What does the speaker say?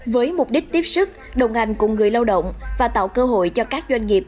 với mục đích tiếp sức đồng hành cùng người lao động và tạo cơ hội cho các doanh nghiệp